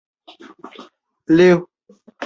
昌宁郡韩国庆尚南道的一个郡。